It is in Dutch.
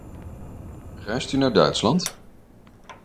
Reist u naar Duitsland?